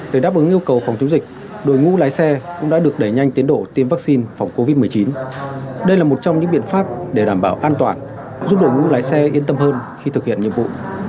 để đáp ứng yêu cầu phòng chống dịch đội ngũ lái xe cũng đã được đẩy nhanh tiến độ tiêm vaccine phòng covid một mươi chín đây là một trong những biện pháp để đảm bảo an toàn giúp đội ngũ lái xe yên tâm hơn khi thực hiện nhiệm vụ